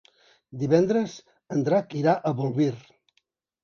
Divendres en Drac irà a Bolvir.